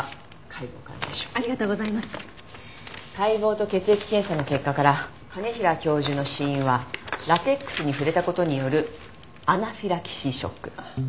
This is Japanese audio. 解剖と血液検査の結果から兼平教授の死因はラテックスに触れた事によるアナフィラキシーショック。